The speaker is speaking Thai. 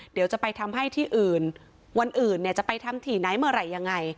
เดี๋ยวจะไปทำให้ที่อื่นวันอื่นเนี่ยจะไปทำที่ไหนเมื่อไหร่ยังไง